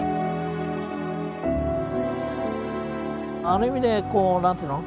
ある意味でこう何て言うの？